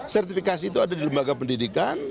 sertifikasi itu ada di lembaga pendidikan